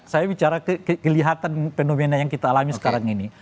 saya bicara kelihatan fenomena yang kita alami sekarang ini